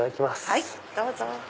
はいどうぞ。